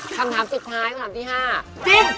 คำถามสุดท้ายคำถามที่๕